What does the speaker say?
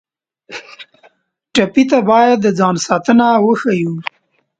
ټپي ته باید د ځان ساتنه وښیو.